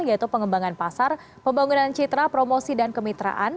yaitu pengembangan pasar pembangunan citra promosi dan kemitraan